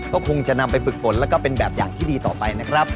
ก็คงจะนำไปฝึกฝนแล้วก็เป็นแบบอย่างที่ดีต่อไปนะครับ